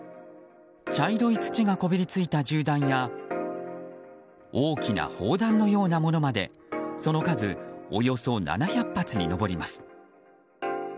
茶色い土がこびりついた銃弾や大きな砲弾のようなものまでその数およそ７００発に上ります。